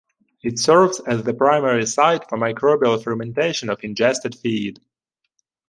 It serves as the primary site for microbial fermentation of ingested feed.